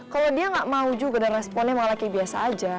kalau dia nggak mau juga dan responnya malah kayak biasa aja